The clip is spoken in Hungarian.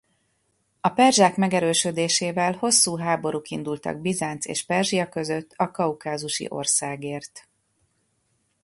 A perzsák megerősödésével hosszú háborúk indultak Bizánc és Perzsia között a kaukázusi országért.